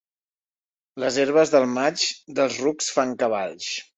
Les herbes del maig, dels rucs fan cavalls.